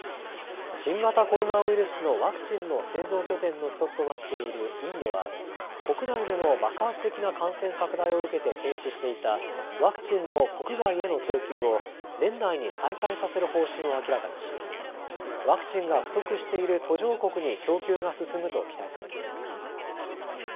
新型コロナウイルスのワクチンの製造拠点の１つとなっているインドは国内での爆発的な感染拡大を受けて停止していたワクチンの国外への供給を年内に再開させる方針を明らかにしワクチンが不足している途上国に供給が進むと期待されています。